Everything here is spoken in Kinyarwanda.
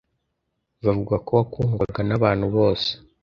Bavuga ko wakundwaga na bantu bose